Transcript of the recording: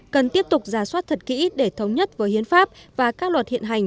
cần tiếp tục ra soát thật kỹ để thống nhất với hiến pháp và các luật hiện hành